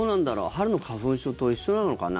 春の花粉症と一緒なのかな？